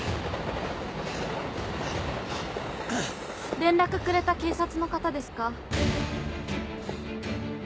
連絡くれた警察の方ですか？